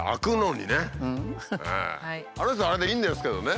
あの人はあれでいいんですけどね。